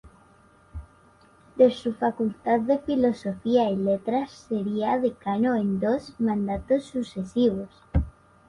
De su Facultad de Filosofía y Letras sería decano en dos mandatos sucesivos.